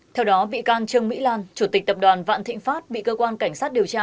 theo đó bị can trương mỹ lan chủ tịch tập đoàn vạn thịnh pháp bị cơ quan cảnh sát điều tra